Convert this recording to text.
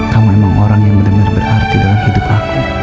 kamu emang orang yang benar benar berarti dalam hidup aku